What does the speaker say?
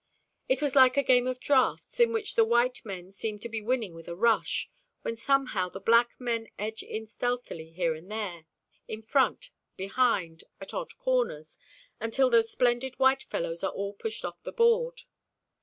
It was like a game at draughts, in which the white men seem to be winning with a rush, when somehow the black men edge in stealthily here and there, in front, behind, at odd corners, until those splendid white fellows are all pushed off the board.